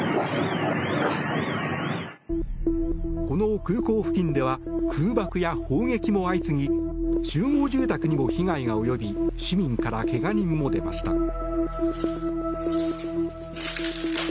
この空港付近では空爆や砲撃も相次ぎ集合住宅にも被害が及び市民から怪我人も出ました。